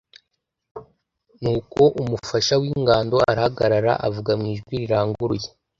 Nuko umufasha w’ingando arahagarara avuga mu ijwi riranguruye